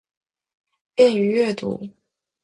便于阅读